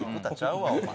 うわお前。